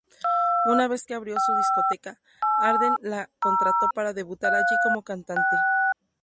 Una vez que abrió su discoteca, Arden la contrató para debutar allí como cantante.